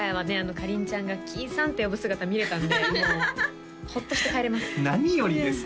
かりんちゃんがキイさんって呼ぶ姿見れたんでもうホッとして帰れます何よりですね